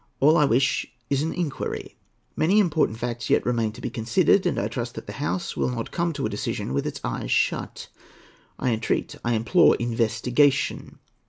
All I wish is an inquiry. Many important facts yet remain to be considered, and I trust that the House will not come to a decision with its eyes shut. I entreat, I implore investigation.